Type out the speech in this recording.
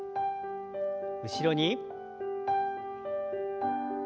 後ろに。